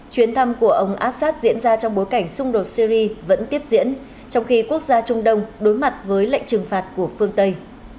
chuyến thăm của ông assad diễn ra trong bối cảnh xung đột syri vẫn tiếp diễn trong khi quốc gia trung đông đối mặt với lệnh trừng phạt của phương tây